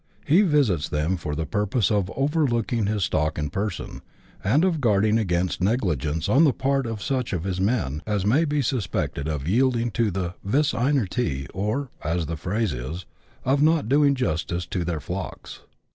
He visits them for the purpose of overlooking his stock in person, and of guarding against negligence on the part of such of his men as may be suspected of yielding to the "vis inertias," or, as the phrase is, of " not doing justice to their flocks."